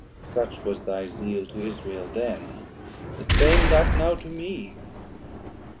such was thy zeal To Israel then, the same that now to me.